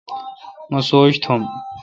مہ سوچ تھم۔